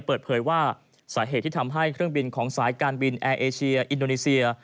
เปิดเผยว่าสาเหตุที่ทำให้เครื่องบินของสายการบินแอร์เอเชียอินโดนีเซีย